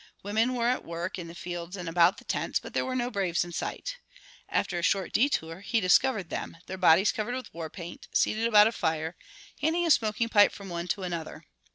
Women were at work in the fields and about the tents, but there were no braves in sight. After a short détour he discovered them, their bodies covered with war paint, seated about a fire, handing a smoking pipe from one to another.